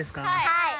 はい。